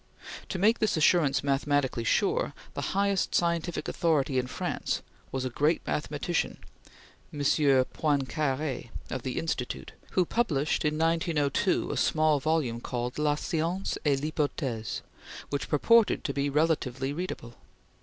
To make this assurance mathematically sure, the highest scientific authority in France was a great mathematician, M. Poincare of the Institut, who published in 1902 a small volume called "La Science et l'Hypothese," which purported to be relatively readable.